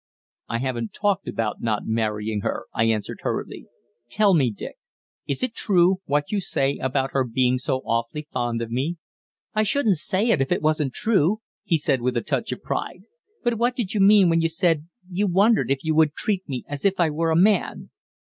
"I haven't talked about not marrying her," I answered hurriedly. "Tell me, Dick, is that true what you say about her being so awfully fond of me?" "I shouldn't say it if it wasn't true," he said with a touch of pride. "But what did you mean when you said you wondered if you could treat me as if I were a man?"